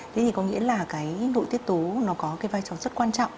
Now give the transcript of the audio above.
thế thì có nghĩa là cái nội tiết tố nó có cái vai trò rất quan trọng